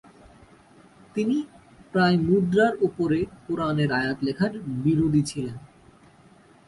তিনি প্রায় মুদ্রার উপরে কোরআনের আয়াত লেখার বিরোধী ছিলেন।